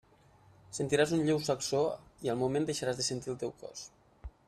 Sentiràs un lleu sacsó i al moment deixaràs de sentir el teu cos.